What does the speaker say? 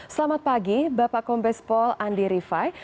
selamat pagi bapak kombespol andi rifai